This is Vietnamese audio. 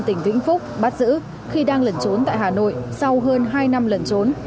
tỉnh vĩnh phúc bắt giữ khi đang lẩn trốn tại hà nội sau hơn hai năm lẩn trốn